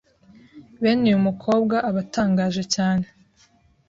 Bene uyu mukobwa aba atangaje cyane